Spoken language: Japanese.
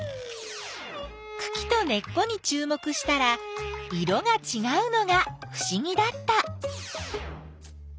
くきと根っこにちゅう目したら色がちがうのがふしぎだった。